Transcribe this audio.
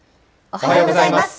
おはようございます。